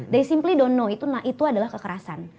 mereka tidak tahu itu adalah kekerasan